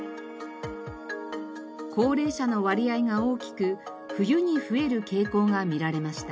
高齢者の割合が大きく冬に増える傾向が見られました。